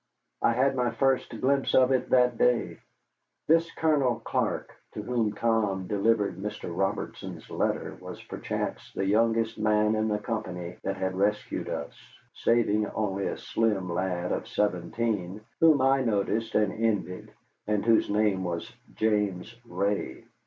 I had my first glimpse of it that day. This Colonel Clark to whom Tom delivered Mr. Robertson's letter was perchance the youngest man in the company that had rescued us, saving only a slim lad of seventeen whom I noticed and envied, and whose name was James Ray.